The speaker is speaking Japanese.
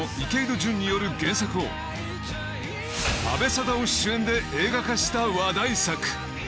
潤による原作を阿部サダヲ主演で映画化した話題作。